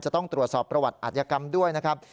จะต้องตรวจสอบประวัติอัธยกรรมด้วยนะครับ